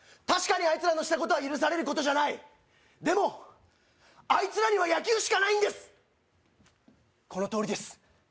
確かにあいつらのしたことは許されることじゃないでもあいつらには野球しかないんですこのとおりです